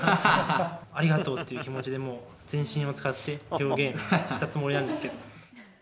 ありがとうっていう気持ちで、もう全身を使って表現したつもりなんですけど。